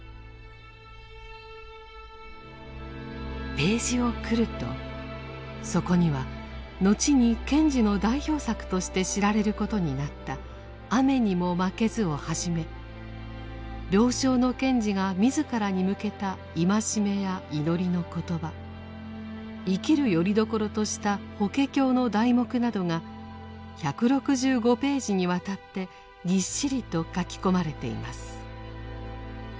ページを繰るとそこには後に賢治の代表作として知られることになった「雨ニモマケズ」をはじめ病床の賢治が自らに向けた戒めや祈りの言葉生きるよりどころとした「法華経」の題目などが１６５ページにわたってぎっしりと書き込まれています。